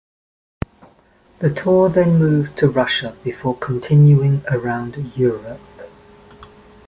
The tour then moved to Russia, before continuing around Europe.